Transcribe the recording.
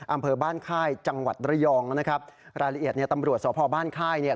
อำเภอบ้านค่ายจังหวัดระยองนะครับรายละเอียดเนี่ยตำรวจสพบ้านค่ายเนี่ย